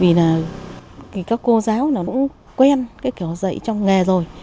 vì bây giờ nó cũng vì là các cô giáo nó cũng quen cái kiểu dạy trong nghề rồi